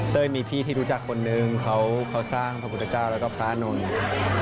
มีพี่ที่รู้จักคนนึงเขาสร้างพระพุทธเจ้าแล้วก็พระนนท์